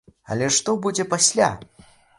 Але што будзе пасля?